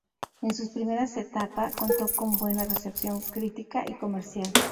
En sus primeras etapa contó con buena recepción critica y comercial.